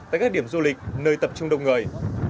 tại các điểm du lịch nơi tập trung đông người